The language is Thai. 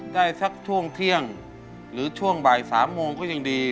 ได้สักช่วงเที่ยงหรือช่วงบ่าย๓โมงก็ยังดี